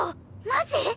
マジ！？